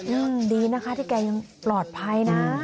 อืมดีนะคะที่แกยังปลอดภัยนะ